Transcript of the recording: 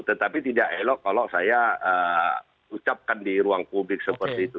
tetapi tidak elok kalau saya ucapkan di ruang publik seperti itu